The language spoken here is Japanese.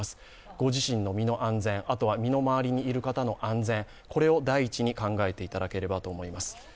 ご自身の身の安全、あとは身の回りにいる方の安全を第一に考えていただければと思います。